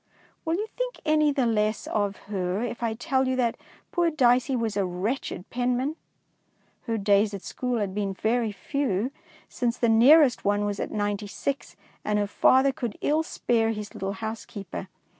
Will you think any the less of her if I tell you that poor Dicey was a wretched penman? Her days at school had been very few, since the nearest one was at Ninety six, and her father could ill spare his little housekeeper.